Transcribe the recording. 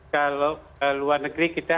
kalau luar negeri kita